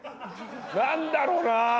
何だろな？